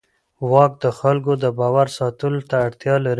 واک د خلکو د باور ساتلو ته اړتیا لري.